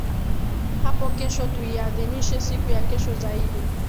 hapo kesho tuiadhimishe siku ya kesho zaidi